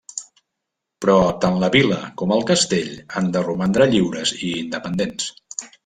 Però tant la vila com el castell han de romandre lliures i independents.